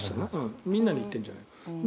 みんなに言ってるんじゃない。